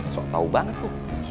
so tau banget lu